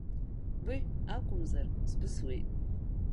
Быҩ акәымзар, сбысуеит!